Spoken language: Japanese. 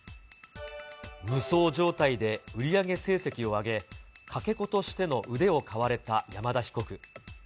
無双状態で売り上げ成績を上げ、かけ子としての腕を買われた山田被告。